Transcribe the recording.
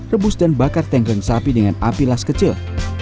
rebus dan bakar tengkleng sapi dengan api las kecil